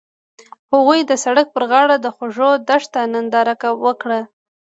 هغوی د سړک پر غاړه د خوږ دښته ننداره وکړه.